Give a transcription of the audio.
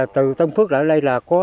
từ tâm phước ở đây là có